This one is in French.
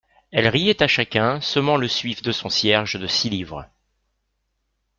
Elle riait à chacun, semant le suif de son cierge de six livres.